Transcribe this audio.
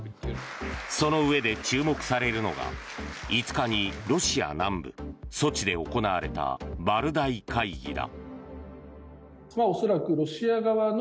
そのうえで注目されるのが５日にロシア南部ソチで行われたバルダイ会議だ。